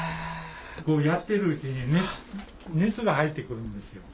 やってるうちに熱が入ってくるんですよ。